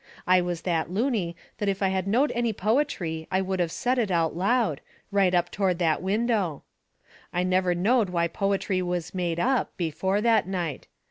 I was that looney that if I had knowed any poetry I would of said it out loud, right up toward that window. I never knowed why poetry was made up before that night.